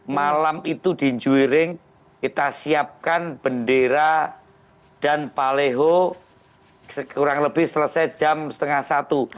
malam itu dijuiring kita siapkan bendera dan paleho kurang lebih selesai jam setengah satu